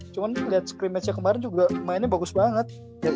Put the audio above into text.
cuman liat scrim matchnya kemaren juga mainnya bagus banget